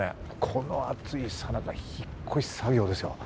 この暑いさなか、引っ越し作業ですよ。